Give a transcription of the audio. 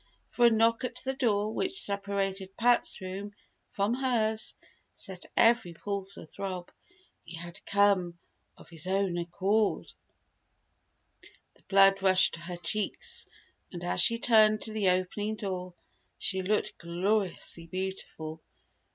But a knock at the door which separated Pat's room from hers set every pulse a throb. He had come, of his own accord! The blood rushed to her cheeks, and as she turned to the opening door, she looked gloriously beautiful.